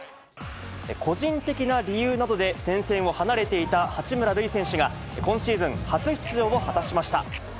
個人的な理由などで戦線を離れていた八村塁選手が、今シーズン初出場を果たしました。